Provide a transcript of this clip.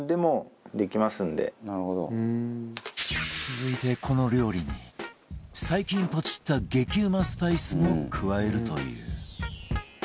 続いてこの料理に最近ポチった激うまスパイスも加えるという